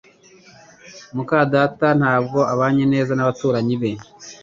muka data ntabwo abanye neza nabaturanyi be